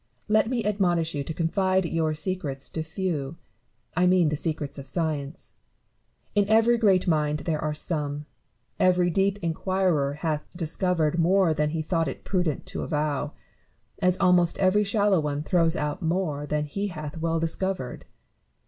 Let me admonish you to confide your bccrcts to few : I mean the secrets of science. In every BARROW AND NEWTON. 197 great mind there are some : every deep inquirer hath dis covered more than he thought it prudent to avow, as almost every shallow one throws out more than he hath well discovered.